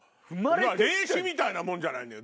霊視みたいなもんじゃないのよ